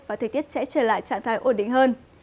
và thời tiết sẽ trở lại trạng thái ổn định hơn